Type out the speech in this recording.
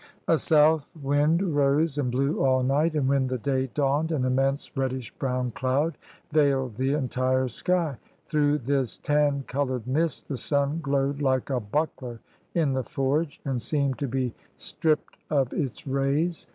A south wind rose and blew all night, and when the day dawned an immense reddish brown cloud veiled the entire sky : through this tan colored mist the sun glowed like a buckler in the forge, and seemed to be stripped of its rays.